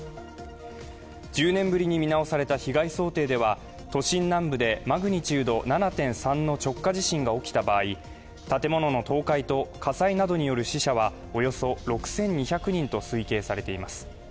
１０年ぶりに見直された被害想定では、都心南部でマグニチュード７．３の直下地震が起きた場合、建物の倒壊と火災などの死者はおよそ６２００人と推計されています。